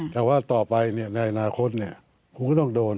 แต่ว่าต่อไปในอนาคตคุณก็ต้องโดน